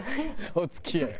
「お付き合い」って！